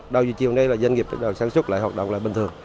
đâu dù chiều nay là doanh nghiệp đã sản xuất lại hoạt động lại bình thường